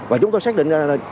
và chúng tôi xác định ra